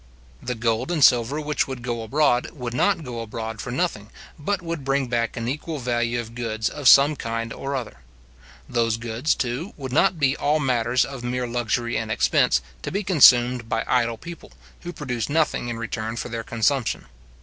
The gold and silver which would go abroad would not go abroad for nothing, but would bring back an equal value of goods of some kind or other. Those goods, too, would not be all matters of mere luxury and expense, to be consumed by idle people, who produce nothing in return for their consumption.